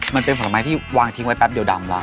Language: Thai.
มันเป็นผลไม้ที่วางทิ้งไว้แป๊บเดียวดำละ